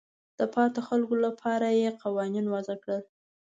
د پاتې خلکو لپاره یې قوانین وضع کړل.